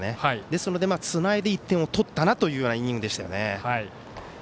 ですので、つないで１点を取ったなというイニングでしたよね。